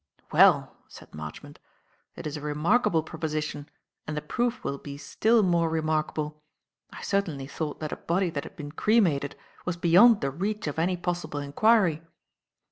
"Well," said Marchmont, "it is a remarkable proposition and the proof will be still more remarkable. I certainly thought that a body that had been cremated was beyond the reach of any possible inquiry."